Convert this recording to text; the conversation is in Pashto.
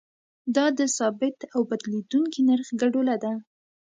دا د ثابت او بدلیدونکي نرخ ګډوله ده.